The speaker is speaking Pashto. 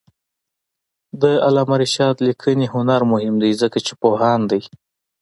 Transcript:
د علامه رشاد لیکنی هنر مهم دی ځکه چې پوهاند دی.